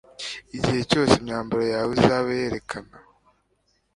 igihe cyose imyambaro yawe izabe yererana